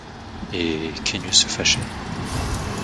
Et Quenu se fâchait.